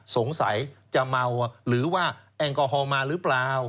สงสัยจะเมาหรือว่าแอลกอฮอลมาหรือเปล่า